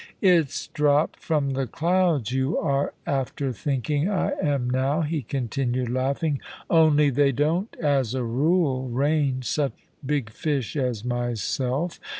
"It's dropped from the clouds you are after thinking I am now," he continued, laughing, "only they don't as a rule rain such big fish as myself.